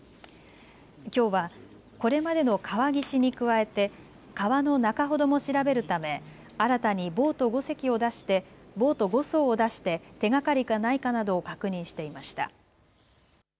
きょうはこれまでの川岸に加えて川の中ほども調べるため新たにボート５そうを出して手がかりがないかなどを確認していました。